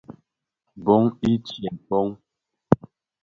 Bông i tséé bông.